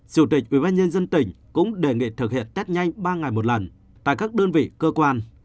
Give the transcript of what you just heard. chủ tịch ubnd tỉnh cũng đề nghị thực hiện test nhanh ba ngày một lần tại các đơn vị cơ quan